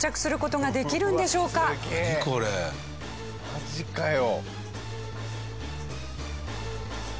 マジかよ。